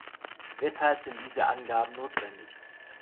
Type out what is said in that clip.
Weshalb sind diese Abgaben notwendig?